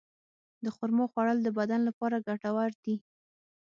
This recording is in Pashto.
د خرما خوړل د بدن لپاره ګټور دي.